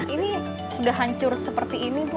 ini sudah hancur seperti ini bu